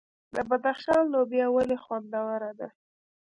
د بدخشان لوبیا ولې خوندوره ده؟